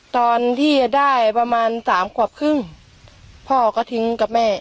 ตอนที่ได้ประมาณสามขวบครึ่งพ่อก็ทิ้งกับแม่